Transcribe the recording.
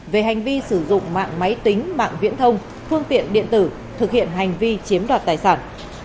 về hành vi sử dụng mạng máy tính mạng viễn thông phương tiện điện tử thực hiện hành vi chiếm đoạt tài sản